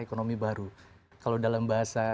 ekonomi baru kalau dalam bahasa